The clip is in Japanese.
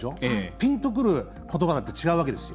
ピンとくることばだって違うわけですよ。